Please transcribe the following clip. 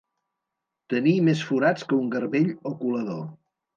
Tenir més forats que un garbell o colador.